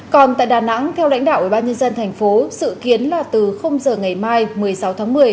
còn tại đà nẵng theo lãnh đạo ủy ban nhân dân thành phố sự kiến là từ giờ ngày mai một mươi sáu tháng một mươi